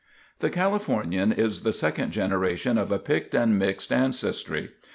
The Californian is the second generation of a picked and mixed ancestry.